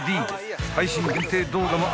［配信限定動画もある］